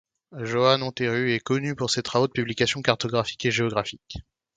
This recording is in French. Johannes Honterus est connu pour ses travaux de publications cartographiques et géographiques.